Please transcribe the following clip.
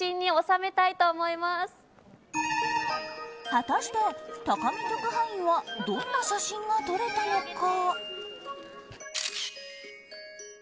果たして、高見特派員はどんな写真が撮れたのか。